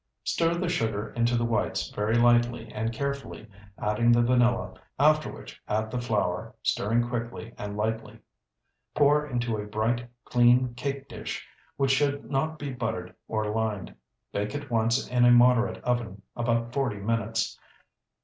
Stir the sugar into the whites very lightly and carefully, adding the vanilla, after which add the flour, stirring quickly and lightly. Pour into a bright, clean cake dish, which should not be buttered or lined. Bake at once in a moderate oven about forty minutes.